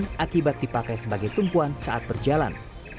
dan tiba tiba dipakai sebagai tumpuan saat berjalan